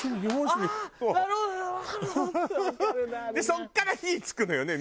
そこから火つくのよね